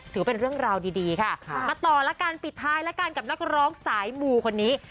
ถือเป็นเรื่องราวดีค่ะมาต่อแล้วกันปิดท้ายแล้วกันกับนักร้องสายมูคนนี้